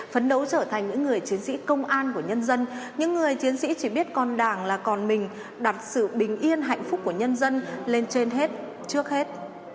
phấn đấu trở thành những người chiến sĩ công an của nhân dân những người chiến sĩ chỉ biết con đảng là còn mình đặt sự bình yên hạnh phúc của nhân dân lên trên hết trước hết